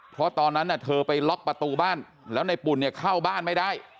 เพราะตอนนั้นเธอไปล็อกประตูบ้านแล้วในปุ่นเนี่ยเข้าบ้านไม่ได้